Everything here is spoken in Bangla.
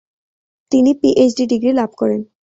তিনি পিএইচডি ডিগ্রি লাভ করেন।